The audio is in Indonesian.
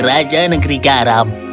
raja negeri garam